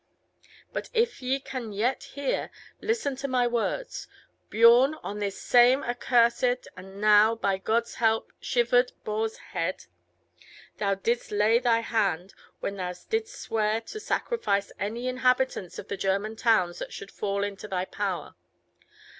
But if ye can yet hear, listen to my words. Biorn, on this same accursed, and now, by God's help, shivered boar's head, thou didst lay thy hand when thou didst swear to sacrifice any inhabitants of the German towns that should fall into thy power.